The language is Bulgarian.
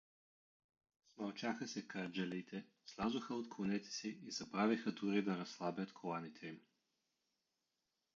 Смълчаха се кърджалиите, слязоха от конете си и забравиха дори да разслабят коланите им.